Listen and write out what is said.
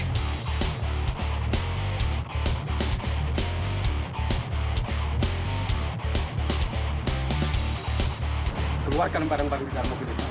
keluarkan lembaran lembar di dalam mobil itu